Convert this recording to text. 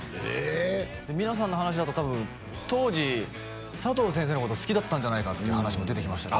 皆さんの話だと多分当時佐藤先生のこと好きだったんじゃないかっていう話も出てきました